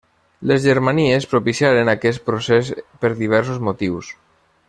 Les germanies propiciaren aquest procés per diversos motius.